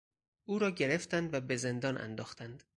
او را گرفتند و به زندان انداختند.